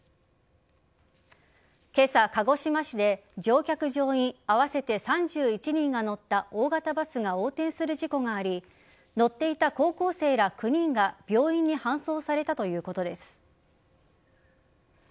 今朝、鹿児島市で乗客、乗員合わせて３１人が乗った大型バスが横転する事故があり乗っていた高校生ら９人が病院に搬送されたということです。